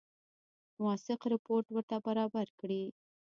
موثق رپوټ ورته برابر کړي.